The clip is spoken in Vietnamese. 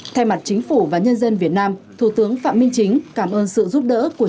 thay mặt chính phủ và nhân dân việt nam thủ tướng phạm minh chính cảm ơn sự giúp đỡ của